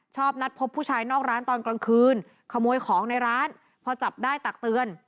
ชอบนัดพบผู้ชายนอกร้านตอนกลางคืนขโมยของในร้านพอจับได้ตักเตือน